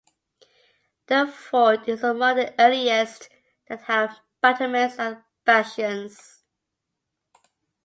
The fort is among the earliest that have battlements and bastions.